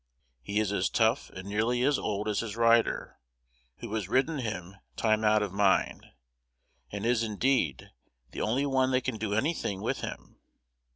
He is as tough, and nearly as old as his rider, who has ridden him time out of mind, and is, indeed, the only one that can do anything with him.